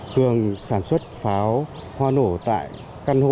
cường sản xuất pháo hoa nổ tại căn hộ